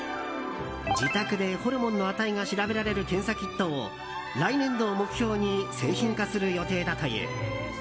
自宅でホルモンの値が調べられる検査キットを来年度を目標に製品化する予定だという。